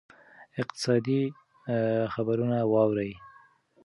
اقتصادي خبرونه واورئ.